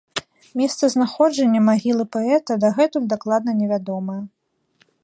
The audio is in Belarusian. Месцазнаходжанне магілы паэта дагэтуль дакладна невядомае.